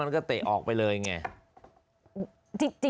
มันก็เตะออกไปเลยไง